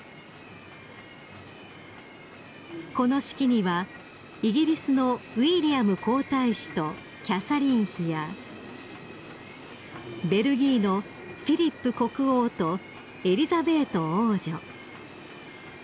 ［この式にはイギリスのウィリアム皇太子とキャサリン妃やベルギーのフィリップ国王とエリザベート王女